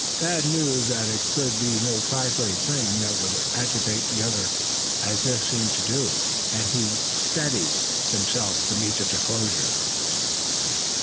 Thad knew then that it could be no trifling thing that would agitate the other as this seemed to do, and he steadied himself to meet the disclosure.